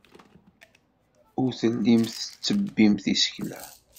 Ur tellimt tettebbimt isekla.